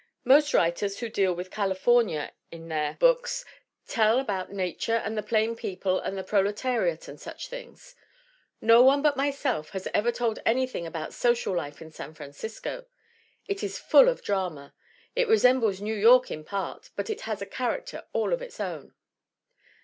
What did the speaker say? "Most writers who deal with California in their books tell about nature and the plain people and the proletariat and such things. No one but myself has ever told anything about social life in San Francisco. It is full of drama. It resembles New York in part, but it has a character all its own."